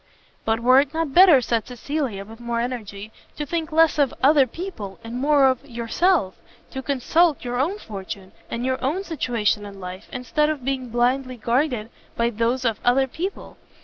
"But were it not better," said Cecilia, with more energy, "to think less of other people, and more of yourself? to consult your own fortune, and your own situation in life, instead of being blindly guided by those of other people?